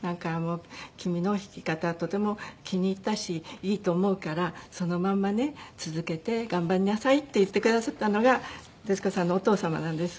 「君の弾き方とても気に入ったしいいと思うからそのまんまね続けて頑張りなさい」って言ってくださったのが徹子さんのお父様なんです。